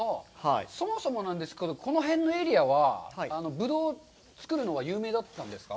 そもそもなんですけど、この辺のエリアはぶどう作るのが有名だったんですか。